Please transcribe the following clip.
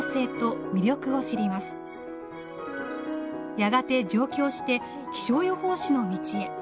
やがて上京して気象予報士の道へ。